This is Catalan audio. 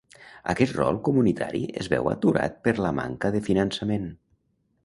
Aquest rol comunitari es veu aturat per la manca de finançament.